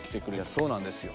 そうなんですよ